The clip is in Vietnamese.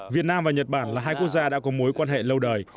việt nam và nhật bản là hai quốc gia đã có mối quan hệ lâu đời